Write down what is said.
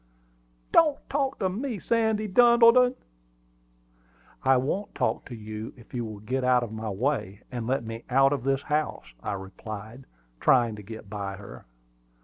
"Don't talk to me, Sandy Duddleton!" "I won't talk to you if you will get out of my way, and let me out of the house," I replied, trying to get by her.